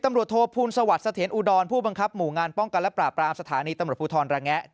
ตำรวจโทษภูมิสวัสดิ์เสถียรอุดรผู้บังคับหมู่งานป้องกันและปราบรามสถานีตำรวจภูทรระแงะ